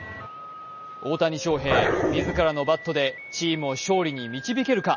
大谷翔平、自らのバットでチームを勝利に導けるか。